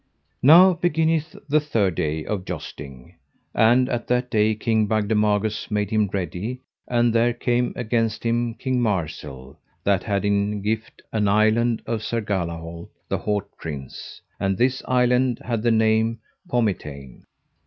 Now beginneth the third day of jousting; and at that day King Bagdemagus made him ready; and there came against him King Marsil, that had in gift an island of Sir Galahalt the haut prince; and this island had the name Pomitain.